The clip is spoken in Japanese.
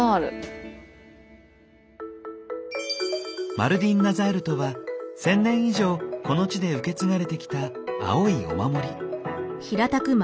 マルディンナザールとは１，０００年以上この地で受け継がれてきた青いお守り。